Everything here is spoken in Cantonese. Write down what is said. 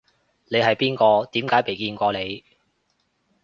你係邊個？點解未見過你